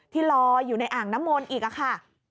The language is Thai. ที่ลอยอยู่ในอ่างน้ำมนต์อีกค่ะ